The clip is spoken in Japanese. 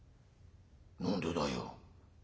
「何でだよ」。